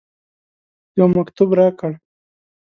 یو مکتوب راکړ.